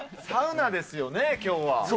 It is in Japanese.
サウナですよね、きょうは。